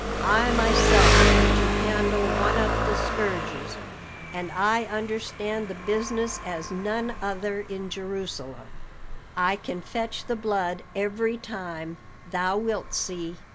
"I myself am to handle one of the scourges, and I understand the business as none other in Jerusalem. I can fetch the blood every time; thou wilt see."